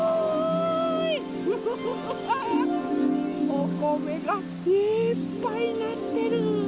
おこめがいっぱいなってる。